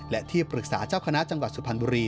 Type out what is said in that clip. และที่ปรึกษาเจ้าคณะจังหวัดสุพรรณบุรี